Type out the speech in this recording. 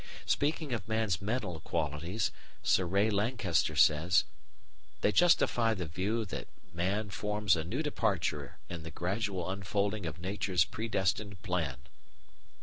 Speaking of man's mental qualities, Sir Ray Lankester says: "They justify the view that man forms a new departure in the gradual unfolding of Nature's predestined plan."